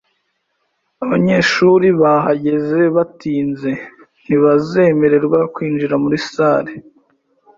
Abanyeshuri bahageze batinze ntibazemererwa kwinjira muri salle.